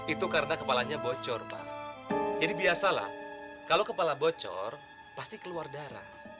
itu karena kepalanya bocor pak jadi biasalah kalau kepala bocor pasti keluar darah